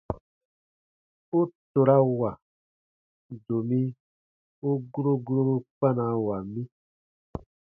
U torawa, domi u guro guroru kpanawa mi.